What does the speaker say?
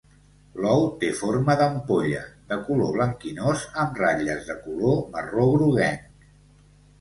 L'ou té forma d'ampolla, de color blanquinós, amb ratlles de color marró groguenc.